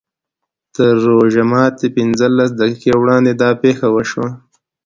تر روژه ماتي پینځلس دقیقې وړاندې دا پېښه وشوه.